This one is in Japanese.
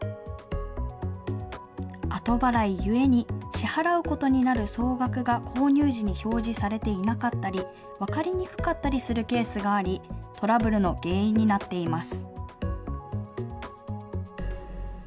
後払いゆえに、支払うことになる総額が購入時に表示されていなかったり、分かりにくかったりするケースがあり、トラブルの原因になっています。